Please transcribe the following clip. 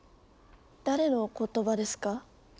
誰の言葉ですか？